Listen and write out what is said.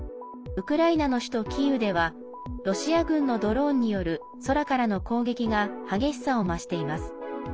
ウクライナの首都キーウではロシア軍のドローンによる空からの攻撃が激しさを増しています。